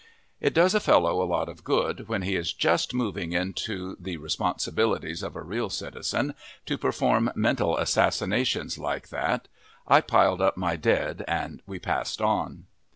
It does a fellow a lot of good, when he is just moving into the responsibilities of a real citizen, to perform mental assassinations like that. I piled up my dead and we passed on.